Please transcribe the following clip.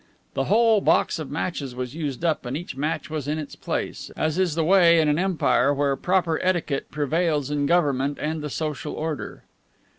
The whole box of matches was used up, and each match was in its place, as is the way in an empire where proper etiquette prevails in government and the social order.